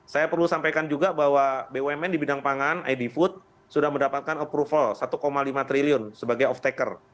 saya perlu sampaikan juga bahwa bumn di bidang pangan id food sudah mendapatkan approval rp satu lima triliun sebagai off taker